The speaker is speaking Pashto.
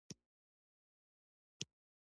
ځای پر ځای به ودرېدو.